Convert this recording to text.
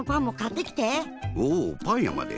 おおパンやまで！